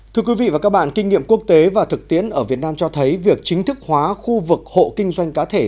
thưa quý vị và các bạn kinh nghiệm quốc tế và thực tiễn ở việt nam cho thấy việc chính thức hóa khu vực hộ kinh doanh cá thể